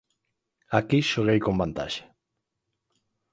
Aquí xoguei con vantaxe.